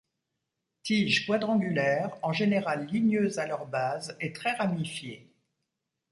Tiges quadrangulaires, en général ligneuses à leur base et très ramifiées.